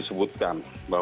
kita sudah mengetahui